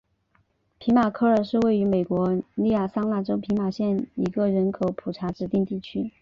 皮马科二是位于美国亚利桑那州皮马县的一个人口普查指定地区。